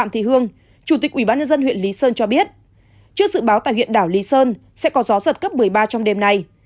trước dự báo tại huyện đảo lý sơn sẽ có gió giật cấp một mươi ba trong đêm nay